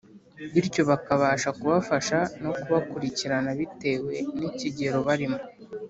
bityo bakabasha kubafasha no kubakurikirana bitewe n’ikigero barimo.